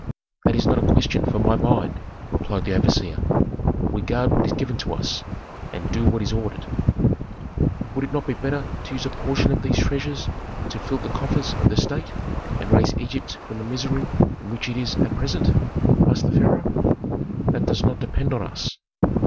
"That is not a question for my mind," replied the overseer. "We guard what is given to us, and do what is ordered." "Would it not be better to use a portion of these treasures to fill the coffers of the state and raise Egypt from the misery in which it is at present?" asked the pharaoh. "That does not depend on us."